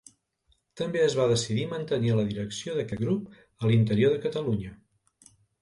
També es va decidir mantenir la direcció d'aquest grup a l'interior de Catalunya.